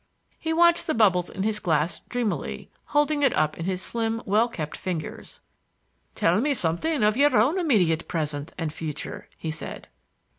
He watched the bubbles in his glass dreamily, holding it up in his slim well kept fingers. "Tell me something of your own immediate present and future," he said.